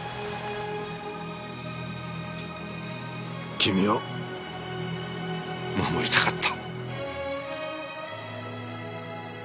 君を守りたかった。